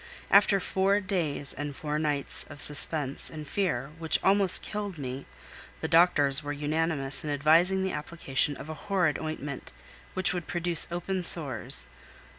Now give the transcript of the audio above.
After four days and nights of suspense and fear, which almost killed me, the doctors were unanimous in advising the application of a horrid ointment, which would produce open sores.